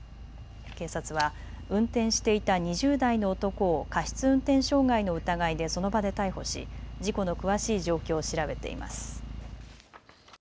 警察は運転していた２０代の男を過失運転傷害の疑いでその場で逮捕し事故の詳しい状況を調べています。